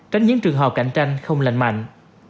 tránh những trường hợp cạnh tranh không lành mạnh